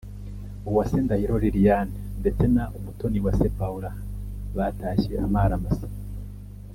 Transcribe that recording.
Uwase Ndahiro Liliane ndetse na Umutoniwase Paula batashye amara masa